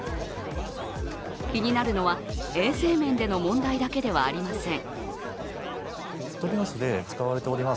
気になるのは、衛生面での問題だけではありません。